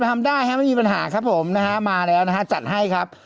ทำได้ฮะไม่มีปัญหาครับผมนะฮะมาแล้วนะฮะจัดให้ครับ